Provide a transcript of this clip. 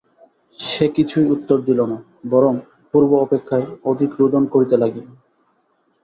সে কিছুই উত্তর দিল না বরং পূর্ব অপেক্ষায় অধিক রোদন করিতে লাগিল।